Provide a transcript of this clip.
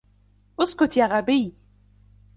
اسكت يا غبي!